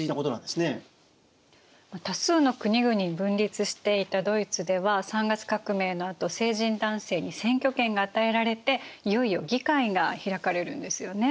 多数の国々に分立していたドイツでは三月革命のあと成人男性に選挙権が与えられていよいよ議会が開かれるんですよね。